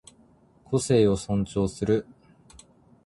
個性を尊重する